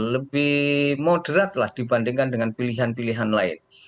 lebih moderat lah dibandingkan dengan pilihan pilihan lain